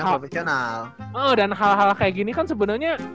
oh dan hal hal kayak gini kan sebenernya